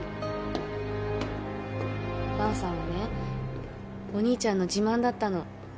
萬さんはねお兄ちゃんの自慢だったの。